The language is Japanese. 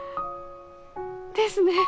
ですね。